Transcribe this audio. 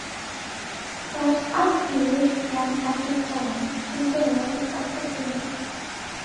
Cards are dealt one at a time to the right of the Queen.